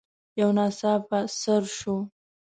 يو ناڅاپه څررر شو.